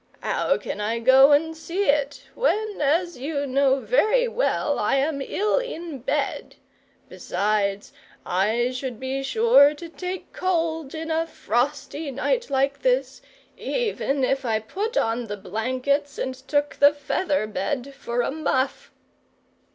"How can I go and see it, when, as you know very well, I am ill in bed? Besides, I should be sure to take cold in a frosty night like this, even if I put on the blankets, and took the feather bed for a muff."